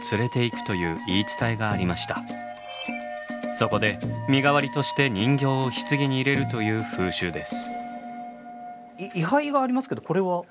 そこで身代わりとして人形を棺に入れるという風習です。